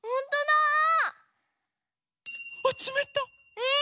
え！